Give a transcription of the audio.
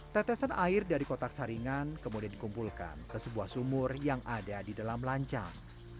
tetesan air dari kotak saringan kemudian dikumpulkan ke sebuah sumur yang ada di dalam lancang